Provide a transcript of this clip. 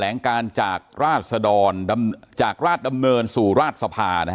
ลงการจากราชดรจากราชดำเนินสู่ราชสภา